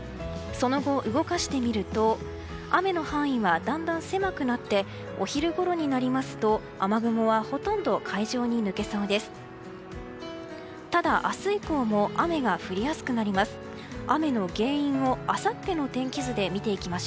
その後、動かしてみると雨の範囲はだんだん狭くなってお昼ごろになりますと雨雲はほとんど海上に抜けそうです。